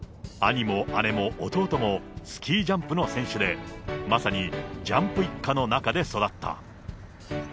兄も姉も弟もスキージャンプの選手で、まさにジャンプ一家の中で育った。